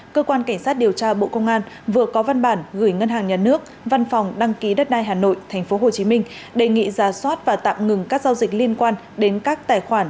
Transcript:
cơ quan cảnh sát điều tra bộ công an vừa có văn bản gửi ngân hàng nhà nước văn phòng đăng ký đất đai hà nội tp hcm đề nghị giả soát và tạm ngừng các giao dịch liên quan đến các tài khoản